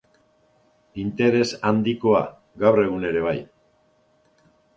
Interes handikoa, gaur egun ere bai.